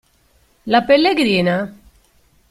La pellegrina?